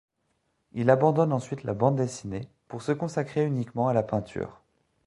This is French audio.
Il abandonne ensuite la bande dessinée pour se consacrer uniquement à la peinture.